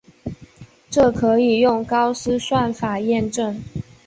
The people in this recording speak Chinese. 这可以用高斯算法验证。